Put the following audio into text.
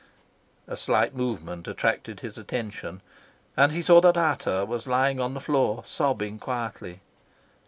A slight movement attracted his attention, and he saw that Ata was lying on the floor, sobbing quietly.